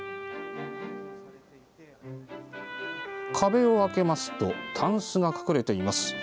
壁を開けますとタンスが隠れています。